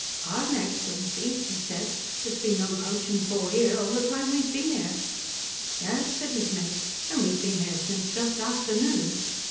"Pardon, excellency," he said, "there's been no coach and four here, all the time we've been here." "Yes," said his mate, "and we've been here since just after noon."